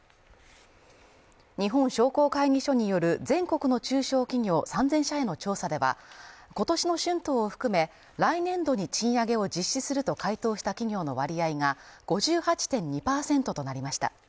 日本商工会議所による全国の中小企業３０００社への調査では今年の春闘を含め、来年度に賃上げを実施すると回答した企業の割合が５８．２％となりました。